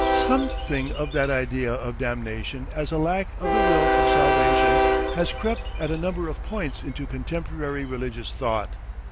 Something of that idea of damnation as a lack of the will for salvation has crept at a number of points into contemporary religious thought.